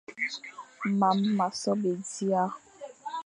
Mam ma sobe dia,